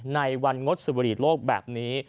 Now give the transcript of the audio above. ในวันงดสวดหยิดโลกแบบนี้